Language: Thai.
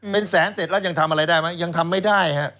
เป็นแสนเสร็จแล้วยังทำอะไรได้ไหมยังทำไม่ได้ฮะ